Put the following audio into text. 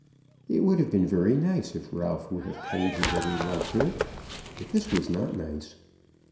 It would have been very nice if Ralph would have told her that he loved her, but this was not nice.